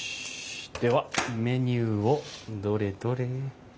ではメニューをどれどれ？